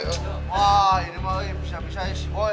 wah ini mah bisa bisa ya si boy